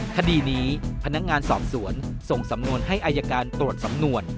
คดีนี้พนักงานสอบสวนส่งสำนวนให้อายการตรวจสำนวน